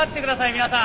皆さん。